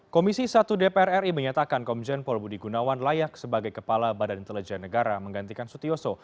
komisi satu dpr ri menyatakan komjen pol budi gunawan layak sebagai kepala badan intelijen negara menggantikan sutioso